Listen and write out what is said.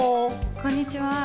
こんにちは。